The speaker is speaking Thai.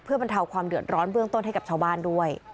บรรเทาความเดือดร้อนเบื้องต้นให้กับชาวบ้านด้วย